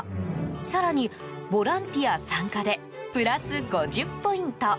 更に、ボランティア参加でプラス５０ポイント。